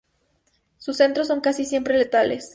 Sus centros son casi siempre letales.